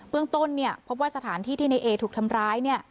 เรื่องต้นพบว่าสถานที่ที่ในเอถูกทำร้าย